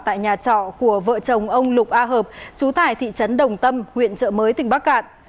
tại nhà trọ của vợ chồng ông lục a hợp chú tải thị trấn đồng tâm huyện chợ mới tp bắc cạn